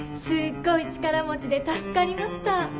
すっごい力持ちで助かりました。